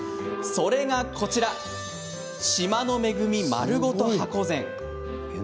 それが、こちら島の恵みまるごと箱膳。